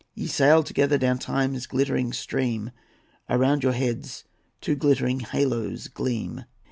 Ye sail together down time's glittering stream; Around your heads two glittering haloes gleam.